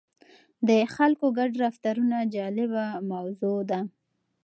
د خلکو ګډ رفتارونه جالبه موضوع ده.